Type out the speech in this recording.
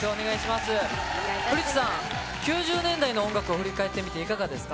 古市さん、９０年代の音楽を振り返ってみて、いかがですか？